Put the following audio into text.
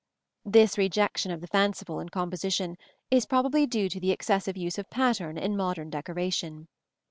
This rejection of the fanciful in composition is probably due to the excessive use of pattern in modern decoration.